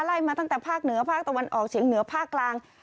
มาตั้งแต่ภาคเหนือภาคตะวันออกเฉียงเหนือภาคกลาง